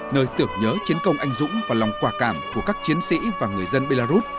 nơi tưởng nhớ chiến công anh dũng và lòng quả cảm của các chiến sĩ và người dân belarus